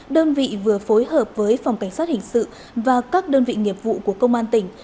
đơn vị vừa phối hợp với phòng cảnh sát hình sự và các đơn vị nghiệp vụ của công an tỉnh